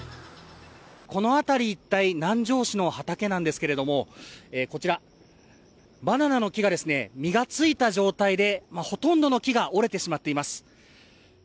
この辺り一帯、南城市の畠なんですけれども、こちら、バナナの木が実がついた状態で、ほとんどの木が折れてしまっています。